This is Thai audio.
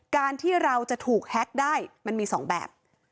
การที่เราจะถูกแฮ็กได้มันมี๒แบบ